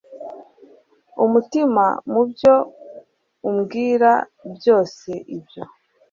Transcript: umutima mu byo umbwira byose; ibyo